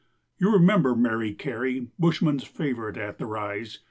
You remember Mary Carey, Bushmen's favourite at The Rise?